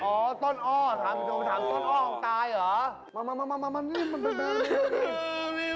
โอ้โฮเป็นอะไรอื้อตายแล้ว